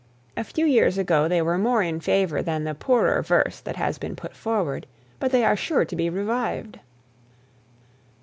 A few years ago they were more in favour than the poorer verse that has been put forward. But they are sure to be revived.